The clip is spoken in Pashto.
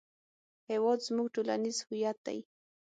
هېواد زموږ ټولنیز هویت دی